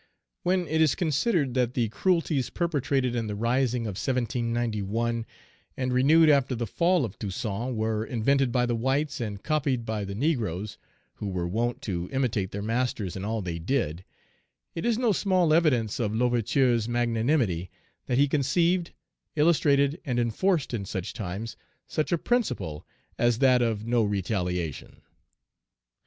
When it is considered that the cruelties perpetrated in the rising of 1791, and renewed after the fall of Toussaint, were invented by the whites, and copied by the negroes (who were wont to imitate their masters in all they did), it is no small evidence of L'Ouverture's magnanimity that he conceived, illustrated, and enforced, in such times, such a principle as that of No RETALIATION.